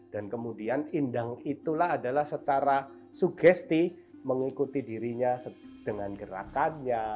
dan kemudian indang itulah adalah secara sugesti mengikuti dirinya dengan gerakannya